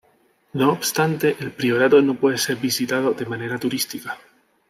No obstante, el priorato no puede ser visitado de manera turística.